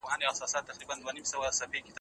که د پوښتني اجازه ولري، شکونه نه زیاتېږي.